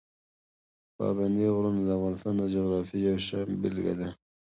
پابندي غرونه د افغانستان د جغرافیې یوه ښه بېلګه ده.